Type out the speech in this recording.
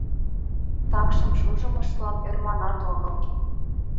Такшым шужымыштлан ӧрманат огыл.